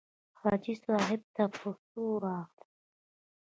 حاجي صاحب ته په څو راغلې.